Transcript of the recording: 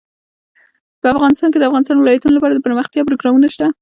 افغانستان کې د د افغانستان ولايتونه لپاره دپرمختیا پروګرامونه شته.